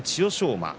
馬。